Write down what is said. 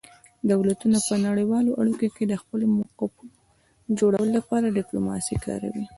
دولتونه په نړیوالو اړیکو کې د خپلو موقفونو جوړولو لپاره ډیپلوماسي کاروي